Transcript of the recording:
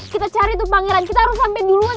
kita cari tuh pangeran kita harus sampai duluan